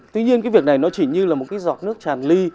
tuy nhiên cái việc này nó chỉ như là một cái giọt nước tràn ly